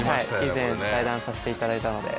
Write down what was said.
以前対談させていただいたので。